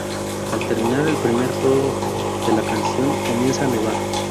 Al terminar el primer coro de la canción, comienza a nevar.